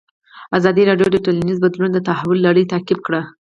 ازادي راډیو د ټولنیز بدلون د تحول لړۍ تعقیب کړې.